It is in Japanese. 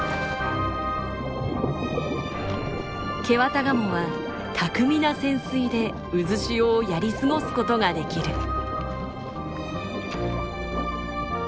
ケワタガモは巧みな潜水で渦潮をやり過ごすことができる。